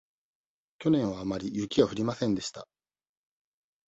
去年はあまり雪が降りませんでした。